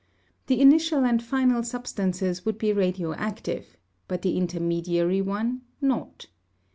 The initial and final substances would be radioactive, but the intermediary one, not.